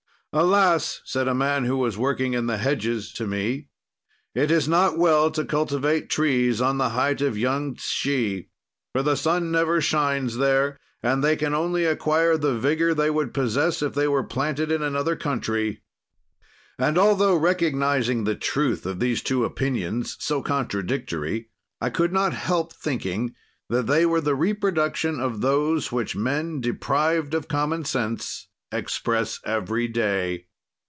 "'Alas!' said a man who was working in the hedges to me, 'it is not well to cultivate trees on the height of Tung Tshi, for the sun never shines there, and they can only acquire the vigor they would possess if they were planted in another country.' "And, altho recognizing the truth of these two opinions, so contradictory, I could not help thinking that they were the reproduction of those which men, deprived of common sense, express every day.